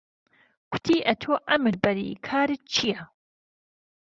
کوتی ئهتۆ عەمر بەری کارت چییه